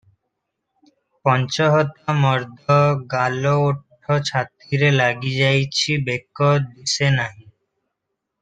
ପଞ୍ଚ ହତା ମର୍ଦ, ଗାଲ ଓଠ ଛାତିରେ ଲାଗିଯାଇଛି, ବେକ ଦିଶେ ନାହିଁ ।